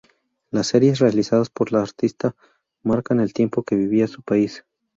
Las series realizadas por la artista, marcan el tiempo que vivía su país.